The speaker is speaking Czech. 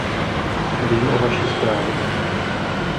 Vím o vaší zprávě.